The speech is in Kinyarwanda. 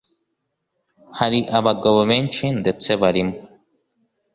hari abagabo benshi ndetse barimo